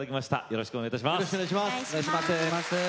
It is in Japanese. よろしくお願いします。